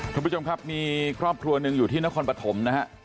ท่านผู้ชมครับมีครอบครัวหนึ่งอยู่ที่นครปฐมนะฮะ